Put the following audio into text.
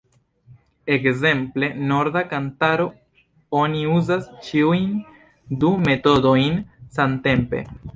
En ekzemple Norda Kantaro oni uzas ĉiujn du metodojn samtempe.